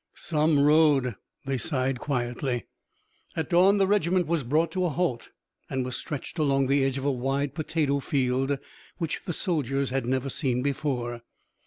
"Some road!" they sighed quietly. At dawn the regiment was brought to a halt and was stretched along the edge of a wide potato field, which the soldiers had never seen before.